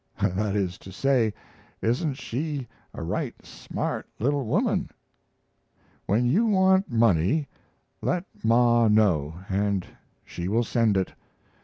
That is to say, isn't she a right smart little woman? When you want money, let Ma know, and she will send it.